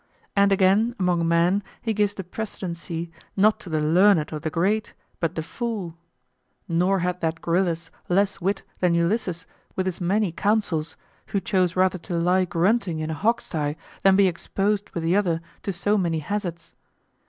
And again, among men he gives the precedency not to the learned or the great, but the fool. Nor had that Gryllus less wit than Ulysses with his many counsels, who chose rather to lie grunting in a hog sty than be exposed with the other to so many hazards.